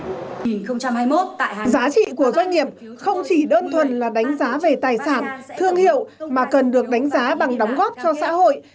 giá trị của doanh nghiệp không chỉ đơn thuần là đánh giá về tài sản thương hiệu mà cần được đánh giá bằng đóng góp cho xã hội